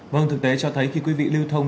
vâng thực tế cho thấy khi quý vị lưu thông